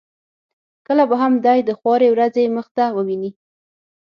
کله به هم دای د خوارې ورځې مخ نه وویني.